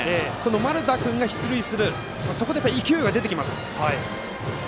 丸田君が出塁するそこで勢いが出てきます。